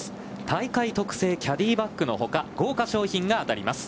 大会特製キャディーバッグのほか豪華商品が当たります。